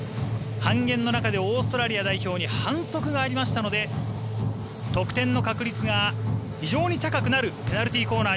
半円の中でオーストラリア代表に反則がありましたので得点の確率が非常に高くなるペナルティーコーナー